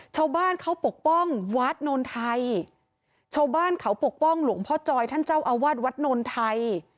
ชาวบ้านเขาปกป้องวัดโนนไทยชาวบ้านเขาปกป้องหลวงพ่อจอยท่านเจ้าอาวาสวัดนนไทย